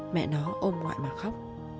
mẹ nó ôm ngoại mà khóc